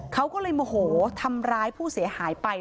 เขาก็เลยโมโหทำร้ายผู้เสียหายไป